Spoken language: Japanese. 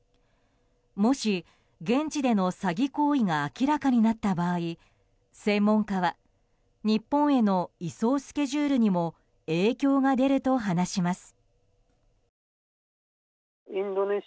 もし、現地での詐欺行為が明らかになった場合専門家は日本への移送スケジュールにも影響が出ると話します。